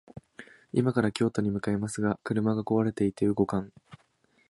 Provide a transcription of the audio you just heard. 今から京都に向かいますが、車が壊れていて動かん